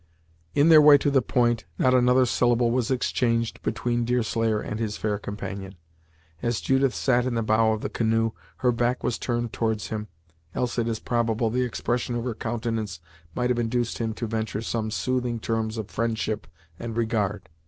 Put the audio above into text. In their way to the point, not another syllable was exchanged between Deerslayer and his fair companion. As Judith sat in the bow of the canoe, her back was turned towards him, else it is probable the expression of her countenance might have induced him to venture some soothing terms of friendship and regard.